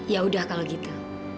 yaudah kalau gitu